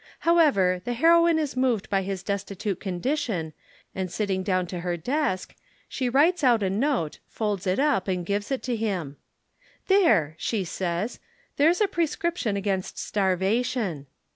However, the heroine is moved by his destitute condition and sitting down to her desk, she writes out a note, folds it up and gives it to him. 'There!' she says, 'there's a prescription against starvation.'